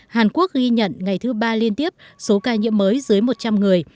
hàn quốc ghi nhận ngày thứ ba liên tiếp số ca nhiễm mới dưới một trăm linh người